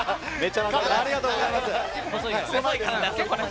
ありがとうございます。